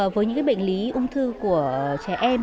với những bệnh lý ung thư của trẻ em